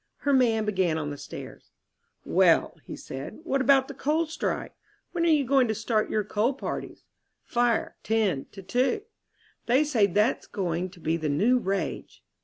Her man began on the stairs. "Well," he said, "what about the coal strike? When are you going to start your coal parties? 'Fire, 10 2.' They say that that's going to be the new rage."